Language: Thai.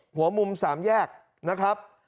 หัวมุม๓แยกนะครับ